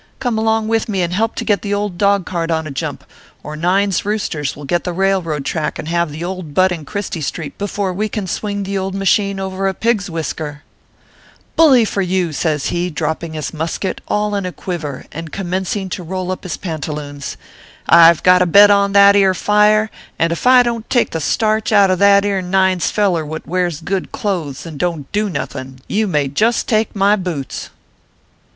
Come along .with me and help to get the old dog cart on a jump, or Nine s roosters will get the rail road track and have the old butt in Christie street 46 ORPHEUS C. KERB PAPERS. before we can swing the old inasheen over a pig s whisker/ " Bully for you !" says he, dropping his musket, all in a quiver, and commencing to roll up his panta loons. " I ve got a bet on that ere fire ; and ef I don t take the starch out of that ere Nine s feller what wears good clothes and don t do nothing you may just take my boots."